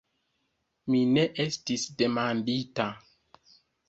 Mi ne estis demandita.